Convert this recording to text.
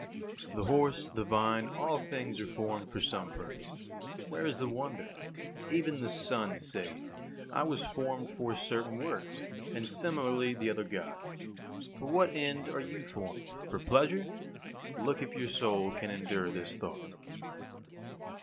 19. The horse, the vine all things are formed for some purpose. Where is the wonder? Even the sun saith, "I was formed for a certain work;" and similarly the other Gods. For what end are you formed? For pleasure? Look if your soul can endure this thought.